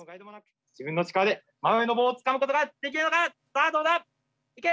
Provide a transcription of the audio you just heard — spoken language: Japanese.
自分の力で真上の棒をつかむことができるのか⁉さあどうだ⁉いけ！